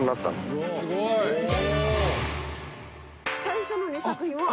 最初の２作品は。